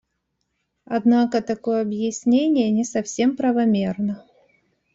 Однако такое объяснение не совсем правомерно.